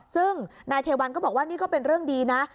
ซึ่งนายเทวันก็บอกว่านี่ก็เป็นเรื่องดีนะ